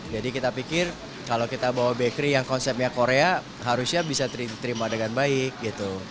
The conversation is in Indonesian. jadi kita pikir kalau kita bawa bakery yang konsepnya korea harusnya bisa diterima dengan baik gitu